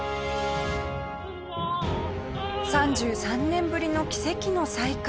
３３年ぶりの奇跡の再会。